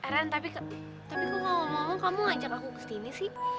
ren tapi kok ngomong ngomong kamu ngajak aku kesini sih